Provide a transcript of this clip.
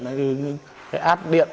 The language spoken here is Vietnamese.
cái áp điện